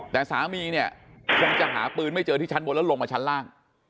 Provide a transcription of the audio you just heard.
แต่สามีเนี่ยคงจะหาปืนไม่เจอที่ชั้นบนแล้วลงมาชั้นล่าง